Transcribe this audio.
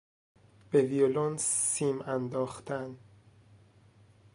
به ویولن سیم انداختن